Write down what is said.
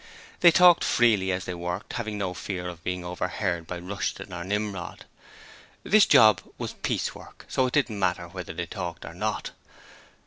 They talked freely as they worked, having no fear of being overheard by Rushton or Nimrod. This job was piecework, so it didn't matter whether they talked or not.